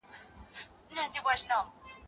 ایا تاسو د داستاني ادبیاتو څېړنه کوئ؟